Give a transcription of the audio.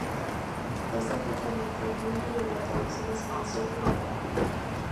Este fue trasmitido en vivo desde la televisión nacional sueca y la radio.